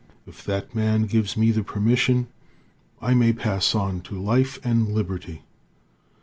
If that man gives me the permission, I may pass on to life and liberty.